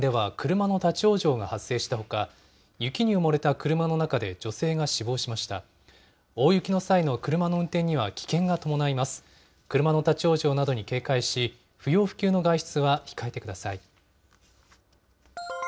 車の立往生などに警戒し、不要不急の外出は控えてください。